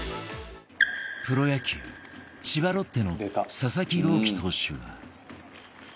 プロ野球千葉ロッテの佐々木朗希投手が